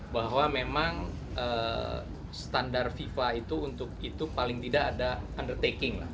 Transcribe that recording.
bahwa memang standar fifa itu untuk itu paling tidak ada undertaking lah